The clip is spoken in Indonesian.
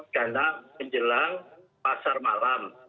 karena menjelang pasar malam